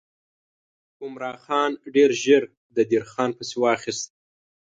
عمرا خان ډېر ژر د دیر خان پسې واخیست.